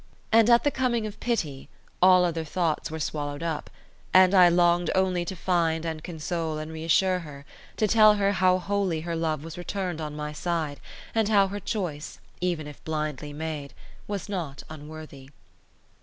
And at the coming of pity, all other thoughts were swallowed up; and I longed only to find and console and reassure her; to tell her how wholly her love was returned on my side, and how her choice, even if blindly made, was not unworthy.